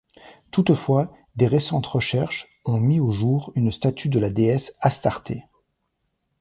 Toutefois, des récentes recherches ont mis au jour une statue de la déesse Astarté.